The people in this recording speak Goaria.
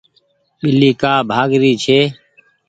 ٻلي ڪآ ڀآگ ري ڇي۔